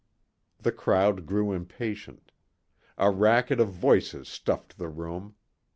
The crowd grew impatient. A racket of voices stuffed the room.